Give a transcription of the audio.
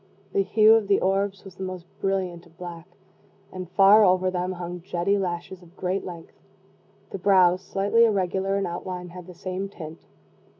The hue of the orbs was the most brilliant of black, and, far over them, hung jetty lashes of great length. The brows, slightly irregular in outline, had the same tint.